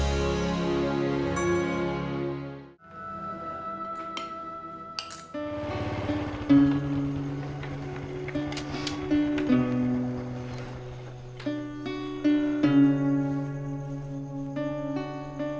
sampai jumpa di video selanjutnya